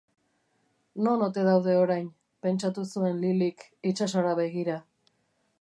Non ote daude orain? Pentsatu zuen Lilyk, itsasora begira.